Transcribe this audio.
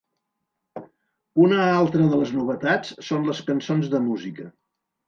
Una altra de les novetats són les cançons de música.